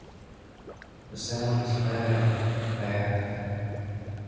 The sound was bad, bad.